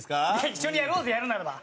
一緒にやろうぜやるならば。